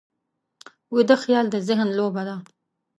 ویده خیال د ذهن لوبه ده